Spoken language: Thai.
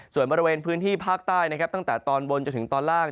ส่วนบริเวณพื้นที่ภาคใต้นะครับตั้งแต่ตอนบนจนถึงตอนล่าง